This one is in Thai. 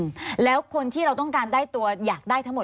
อืมแล้วคนที่เราต้องการได้ตัวอยากได้ทั้งหมด